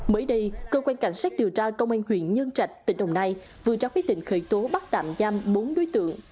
mới đây cơ quan cảnh sát điều tra công an huyện nhân trạch tỉnh đồng nai vừa cho quyết định khởi tố bắt tạm giam bốn đối tượng